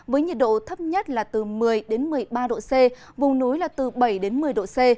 với nhiệt độ thấp nhất là từ một mươi một mươi ba độ c vùng núi là từ bảy đến một mươi độ c